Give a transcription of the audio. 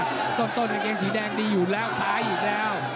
ต้นกางเกงสีแดงดีอยู่แล้วซ้ายอีกแล้ว